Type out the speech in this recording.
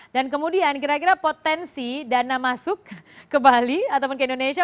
dan kemudian kira kira potensi dana masuk ke bali ataupun ke indonesia